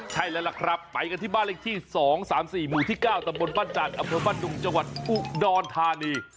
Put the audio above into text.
ใช่แล้วล่ะครับไปกันที่บ้านเลขที่๒๓๔หมู่ที่๙ตำบลบ้านจันทร์อำเภอบ้านดุงจังหวัดอุดรธานี